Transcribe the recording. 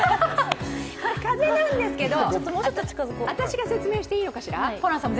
風なんですけど、私が説明していいのかしら？